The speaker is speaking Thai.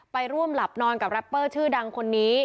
ไปร่วมหลับนอนกับแรปเปอร์ชื่อดังคนนี้